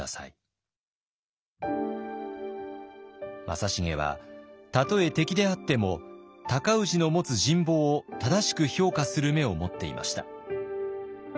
正成はたとえ敵であっても尊氏の持つ人望を正しく評価する目を持っていました。